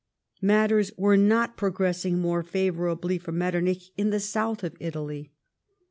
Matters were not ])rogressing more favourably for Mettcrnich in the south of Italy.